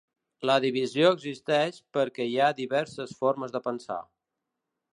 La divisió existeix perquè hi ha diverses formes de pensar.